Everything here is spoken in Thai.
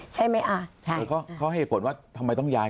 ใช่ไหมอ่าใช่เขาเขาให้ผลว่าทำไมต้องยาย